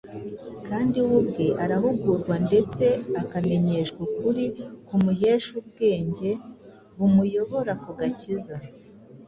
kandi we ubwe arahugurwa ndetse akamenyeshwa ukuri kumuhesha ubwenge bumuyobora ku gakiza.